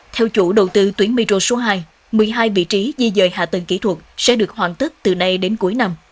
theo chủ đầu tư tuyến metro số hai một mươi hai vị trí di dời hạ tầng kỹ thuật sẽ được hoàn tất từ nay đến cuối năm